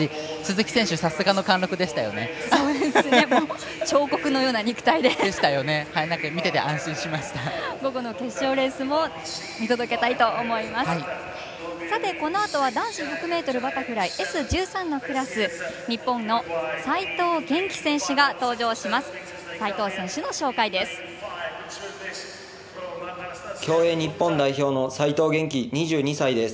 このあとは男子１００ｍバタフライＳ１３クラス日本の齋藤元希選手が登場です。